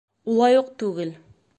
— Улай уҡ түгел.